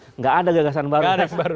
tidak ada gagasan baru